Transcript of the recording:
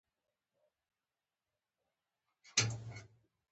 د اسلامي بانکدارۍ وده څنګه ده؟